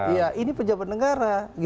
ya ini pejabat negara